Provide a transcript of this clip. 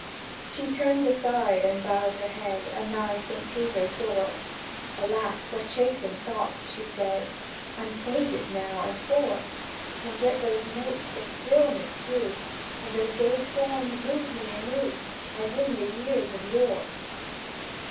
She turned aside, and bowed her head Anigh Saint Peter's door; "Alas for chastened thoughts!" she said; "I'm faded now, and hoar, And yet those notes—they thrill me through, And those gay forms move me anew As in the years of yore!"